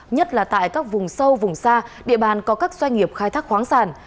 nhất là tại các vùng sâu vùng xa địa bàn có các doanh nghiệp khai thác khoáng sản